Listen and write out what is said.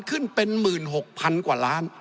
ขึ้นเป็น๑๖๐๐๐กว่าล้าน